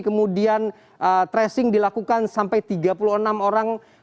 kemudian tracing dilakukan sampai tiga puluh enam orang